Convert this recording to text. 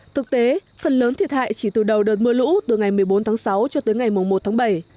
thực tế phần lớn thiệt hại chỉ từ đầu đợt mưa lũ từ ngày một mươi bốn tháng sáu cho tới ngày một tháng bảy